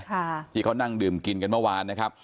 ค่ะที่เขานั่งดื่มกินกันเมื่อวานนะครับ